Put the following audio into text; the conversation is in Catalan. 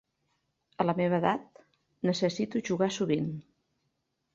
A la meva edat, necessito jugar sovint.